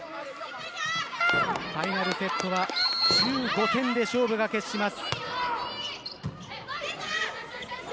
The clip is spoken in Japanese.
ファイナルセットは１５点で勝負が決します。